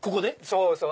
そうそう。